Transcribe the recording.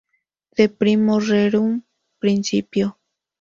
De primo rerum principio.